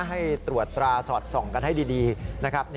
ให้ตรวจตราสอดส่องกันให้ดีนะครับ